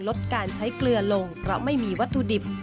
ลดการใช้เกลือลงเพราะไม่มีวัตถุดิบ